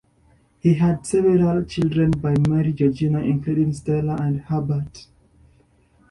He had several children by Mary Georgina including Stella and Herbert.